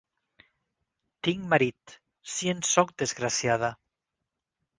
Tinc marit, si en sóc desgraciada!